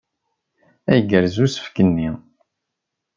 Ay igerrez usefk-nni!